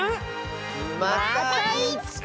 またいつか！